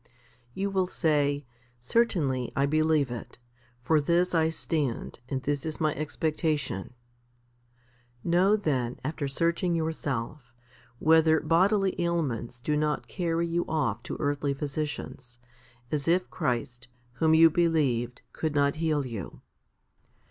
4. You will say, "Certainly I believe it. For this I stand, and this is my expectation.". Know, then, after searching yourself, whether bodily ailments do not carry you off to earthly physicians, as if Christ, whom you believed, could not heal you